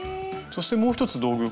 そしてもう一つ道具